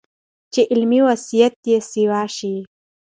چې علمي وسعت ئې سېوا شي